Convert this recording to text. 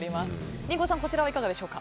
リンゴさん、こちらいかがですか。